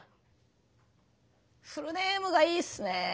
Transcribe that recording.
フルネームがいいっすね